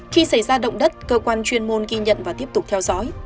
khi xảy ra động đất cơ quan chuyên môn ghi nhận và tiếp tục theo dõi